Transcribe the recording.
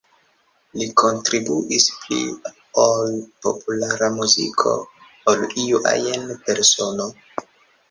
Li kontribuis pli al populara muziko ol iu ajn persono.